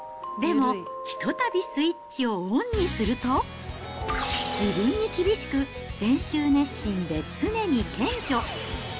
でも、ひとたびスイッチをオンにすると、自分に厳しく、練習熱心で常に謙虚。